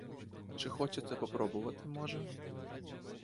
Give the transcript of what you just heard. Чи хочете попробувати, може?